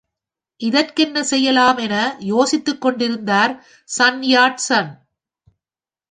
இதற்கென்ன செய்யலாம் என யோசித்துக் கொண்டிருந்தார் சன் யாட் சன்.